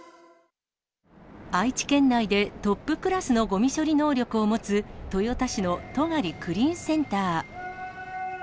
愛知県内でトップクラスのごみ処理能力を持つ、豊田市の渡刈クリーンセンター。